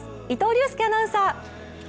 伊藤隆佑アナウンサー。